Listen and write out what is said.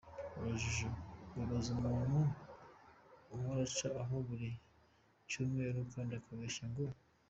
urujijo, yibaza umuntu uhora aca aho buri Cyumweru kandi akabeshya ngo.